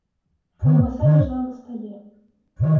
Каўбаса ляжала на стале.